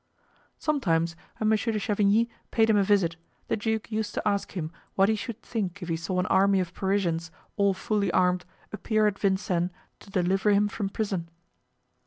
Sometimes, when Monsieur de Chavigny paid him a visit, the duke used to ask him what he should think if he saw an army of Parisians, all fully armed, appear at Vincennes to deliver him from prison.